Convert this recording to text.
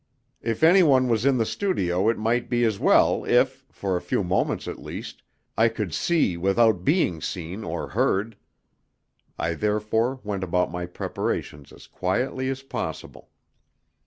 If anyone was in the studio it might be as well if, for a few moments at least, I could see without being seen or heard. I therefore went about my preparations as quietly as possible.